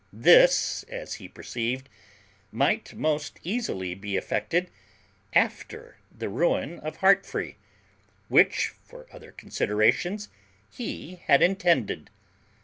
This, as he perceived, might most easily be effected after the ruin of Heartfree, which, for other considerations, he had intended.